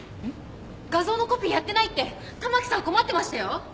画像のコピーやってないってたまきさん困ってましたよ。